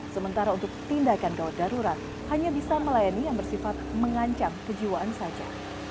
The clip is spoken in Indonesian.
sementara untuk tindakan gawat darurat hanya bisa melayani yang bersifat mengancam kejiwaan saja